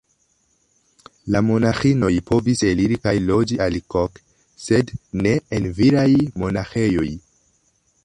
La monaĥinoj povis eliri kaj loĝi aliloke, sed ne en viraj monaĥejoj.